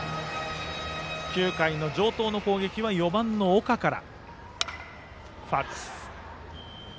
９回の城東の攻撃は４番の岡から。